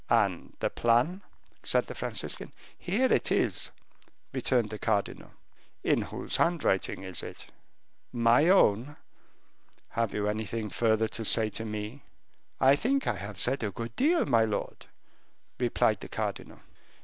"And this plan?" said the Franciscan. "Here it is," returned the cardinal. "In whose handwriting is it?" "My own." "Have you anything further to say to me?" "I think I have said a good deal, my lord," replied the cardinal.